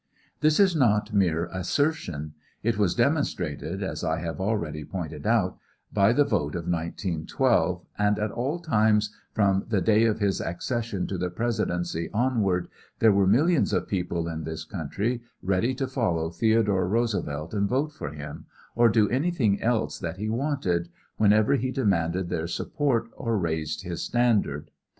This is not mere assertion; it was demonstrated, as I have already pointed out, by the vote of 1912, and at all times, from the day of his accession to the Presidency onward, there were millions of people in this country ready to follow Theodore Roosevelt and vote for him, or do anything else that he wanted, whenever he demanded their support or raised his standard.